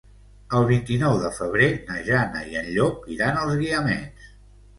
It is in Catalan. El vint-i-nou de febrer na Jana i en Llop iran als Guiamets.